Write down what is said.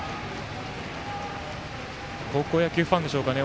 高校野球ファンですかね。